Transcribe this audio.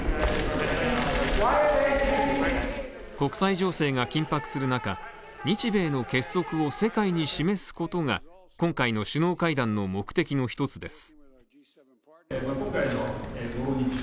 国際情勢が緊迫する中、日米の結束を世界に示すことが今回の首脳会談の目的の一つです。